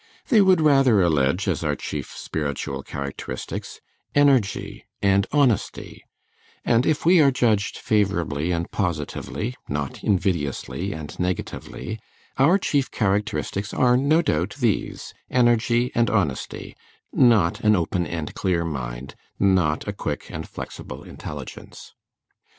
They would rather allege, as our chief spiritual characteristics, energy and honesty; and if we are judged favorably and positively, not invidiously and negatively, our chief characteristics are no doubt these: energy and honesty, not an open and clear mind, not a quick and flexible intelligence.